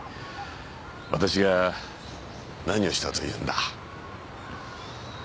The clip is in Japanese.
わたしが何をしたというんだ？